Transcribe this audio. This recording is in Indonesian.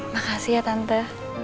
makasih ya tante